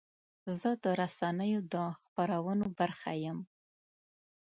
زه د رسنیو د خپرونو برخه یم.